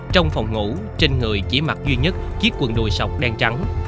trong phòng ngủ trên người chỉ mặc duy nhất chiếc quần đùi sọc đen trắng